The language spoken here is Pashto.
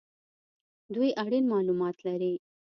دوی اړین مالومات لري